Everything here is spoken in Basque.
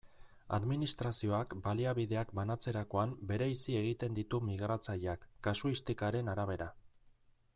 Administrazioak baliabideak banatzerakoan bereizi egiten ditu migratzaileak, kasuistikaren arabera.